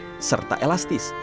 ringan serta elastis